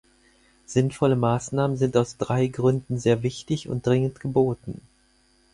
Sinnvolle Maßnahmen sind aus drei Gründen sehr wichtig und dringend geboten.